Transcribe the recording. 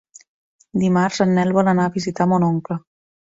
Dimarts en Nel vol anar a visitar mon oncle.